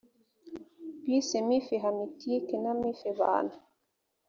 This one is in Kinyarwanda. bise mythe hamitique na mythe bantu